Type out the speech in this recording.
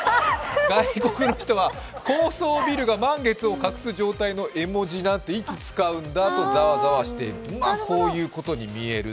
外国の人は高層ビルが満月を隠す状態の絵文字なんていつ使うんだとざわざわしているという。